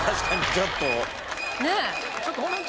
ちょっと。